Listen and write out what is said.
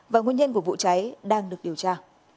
và nguyên nhân của vụ cháy đang được điều tra